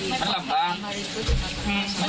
ไปด้วยกันหรอกยังไง